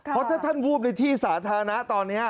เพราะถ้าท่านวูบในที่สาธารณะตอนนี้